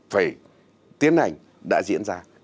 phải tiến hành đã diễn ra